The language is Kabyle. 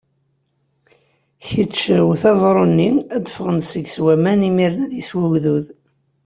Kečč, wet aẓru-nni, ad d-ffɣen seg-s waman, imiren ad isew ugdud.